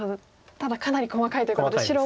ただかなり細かいということで白も。